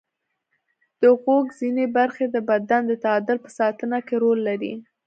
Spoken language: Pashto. د غوږ ځینې برخې د بدن د تعادل په ساتنه کې رول لري.